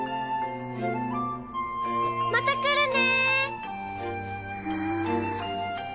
また来るね！